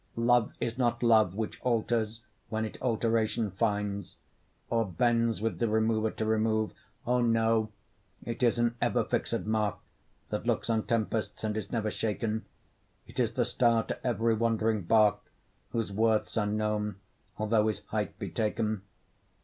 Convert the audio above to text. Love is not love Which alters when it alteration finds, Or bends with the remover to remove: O, no! it is an ever fixed mark, That looks on tempests and is never shaken; It is the star to every wandering bark, Whose worth's unknown, although his height be taken.